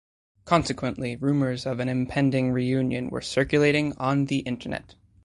Consequently, rumors of an impending reunion were circulating on the internet.